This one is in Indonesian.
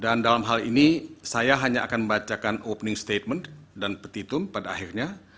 dan dalam hal ini saya hanya akan membacakan opening statement dan petitum pada akhirnya